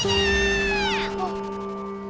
あっ！